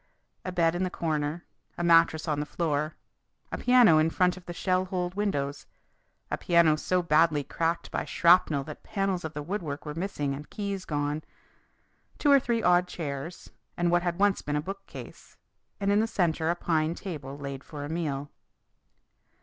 A bed in the corner; a mattress on the floor; a piano in front of the shell holed windows, a piano so badly cracked by shrapnel that panels of the woodwork were missing and keys gone; two or three odd chairs and what had once been a bookcase, and in the centre a pine table laid for a meal.